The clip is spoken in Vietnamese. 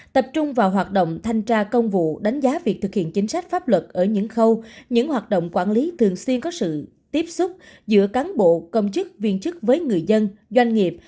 tập trung vào hoạt động thanh tra công vụ đánh giá việc thực hiện chính sách pháp luật ở những khâu những hoạt động quản lý thường xuyên có sự tiếp xúc giữa cán bộ công chức viên chức với người dân doanh nghiệp